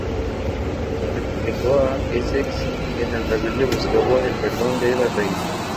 Se comunicó a Essex que el rebelde buscaba el perdón de la reina.